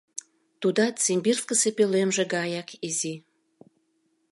Тудат Симбирскысе пӧлемже гаяк изи.